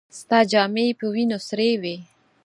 ستا جامې په وينو سرې وې.